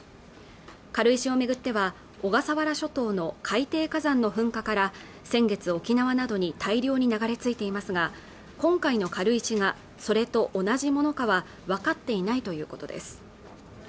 軽石を巡っては小笠原諸島の海底火山の噴火から先月沖縄などに大量に流れ着いていますが今回の軽石がそれと同じものかはわかっていないということです